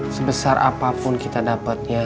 sebesar apapun kita dapetnya